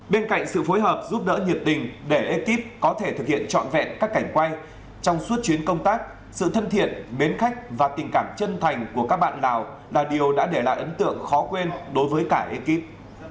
bên cạnh sự phối hợp giúp đỡ nhiệt tình để ekip có thể thực hiện trọn vẹn các cảnh quay trong suốt chuyến công tác sự thân thiện mến khách và tình cảm chân thành của các bạn lào là điều đã để lại ấn tượng khó quên đối với cả ekip